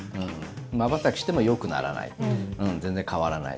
まばたきしてもよくならない、全然変わらない。